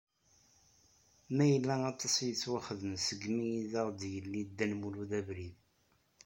Mayella aṭas i yettwaxedmen segmi i d-aɣ-id-yeldi Dda Lmulud abrid.